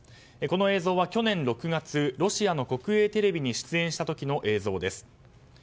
この映像は去年６月ロシアの国営テレビに出演した時の映像です。